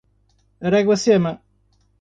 Araguacema